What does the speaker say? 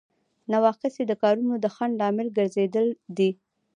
نواقص یې د کارونو د ځنډ لامل ګرځیدل دي.